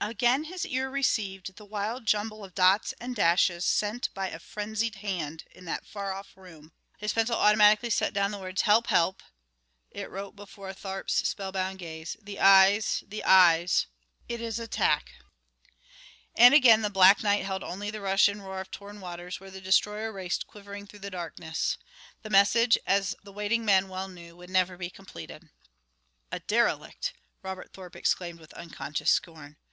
Again his ear received the wild jumble of dots and dashes sent by a frenzied hand in that far off room. His pencil automatically set down the words. "Help help " it wrote before Thorpe's spellbound gaze, "the eyes the eyes it is attack " And again the black night held only the rush and roar of torn waters where the destroyer raced quivering through the darkness. The message, as the waiting men well knew, would never be completed. "A derelict!" Robert Thorpe exclaimed with unconscious scorn.